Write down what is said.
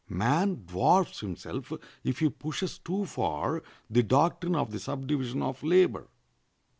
Man dwarfs himself if he pushes too far the doctrine of the subdivision of labor.